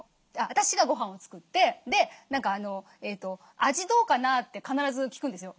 私がごはんを作って「味どうかな？」って必ず聞くんですよ。